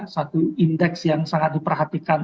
satu indeks yang sangat diperhatikan